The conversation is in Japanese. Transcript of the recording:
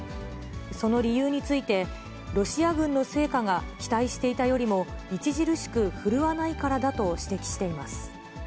その理由について、ロシア軍の成果が期待していたよりも著しく振るわないからだと指摘しています。